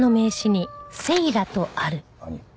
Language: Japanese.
何？